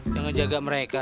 yang ngejaga mereka